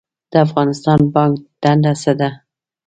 د افغانستان بانک دنده څه ده؟